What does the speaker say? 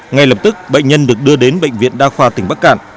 ngay lập tức bệnh nhân được đưa đến bệnh viện đa khoa tỉnh bắc cạn